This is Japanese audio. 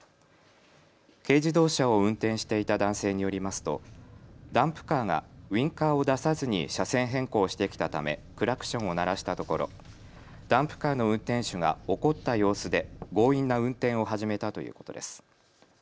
軽自動車を運転していた男性によりますとダンプカーがウインカーを出さずに車線変更してきたためクラクションを鳴らしたところダンプカーの運転手が怒った様子で強引な運転を始めたということです。